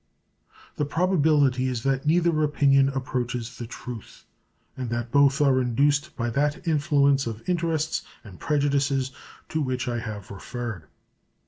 The probability is that neither opinion approaches the truth, and that both are induced by that influence of interests and prejudices to which I have referred.